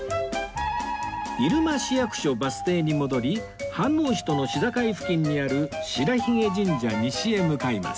入間市役所バス停に戻り飯能市との市境付近にある白鬚神社西へ向かいます